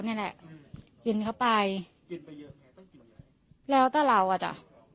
เนี้ยแหละอืมกินเข้าไปกินไปเยอะไงต้องกินอะไรแล้วตั้งแต่เราอ่ะจ้ะ